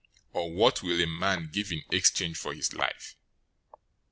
Or what will a man give in exchange for his life?